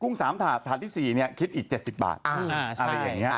กุ้งสามถาดถาดที่สี่เนี้ยคิดอีกเจ็ดสิบบาทอ่าอะไรอย่างเงี้ย